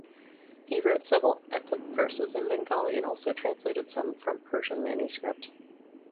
He wrote several epics verses in Bengali and also translated some from Persian manuscript.